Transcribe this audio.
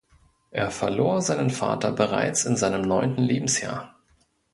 Er verlor seinen Vater bereits in seinem neunten Lebensjahr.